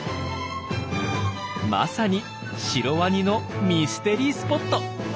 まさにシロワニのミステリースポット。